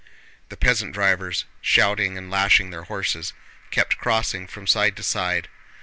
The peasant drivers, shouting and lashing their horses, kept crossing from side to side.